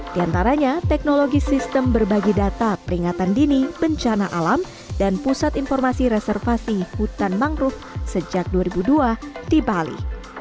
di antaranya teknologi sistem berbagi data peringatan dini bencana alam dan pusat informasi reservasi hutan mangrove sejak dua ribu dua di bali